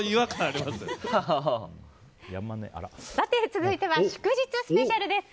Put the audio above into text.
続いては祝日スペシャルです。